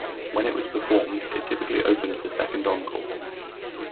When it was performed it typically opened the second encore.